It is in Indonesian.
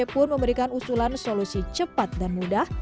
kp dua c pun memberikan usulan solusi cepat dan mudah